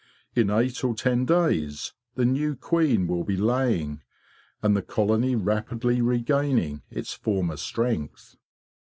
In eight or ten days the new queen will be laying and the colony rapidly regaining its former strength.